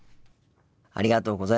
ありがとうございます。